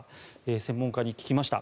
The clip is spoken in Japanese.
専門家に聞きました。